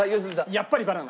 やっぱりバナナ。